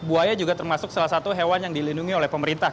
buaya juga termasuk salah satu hewan yang dilindungi oleh pemerintah